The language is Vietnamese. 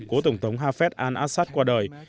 cổ tổng thống hafez al assad qua đời